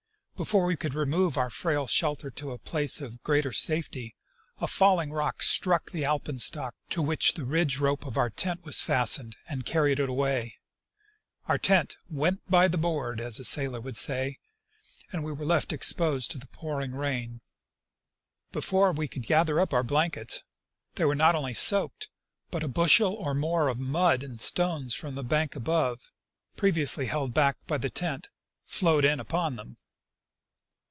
Before we could remove our frail shelter to a place of greater safety, a falling rock struck the alpenstock to which the ridge rope of our tent was fastened and carried it away. Our tent " went by the board," as a sailor would say, and we were left exposed to the pouring rain. Before we could gather up our blankets they were not only soaked, but a bushel or more of mud and stones from the bank above, pre viously held back by the tent, flowed in upon them.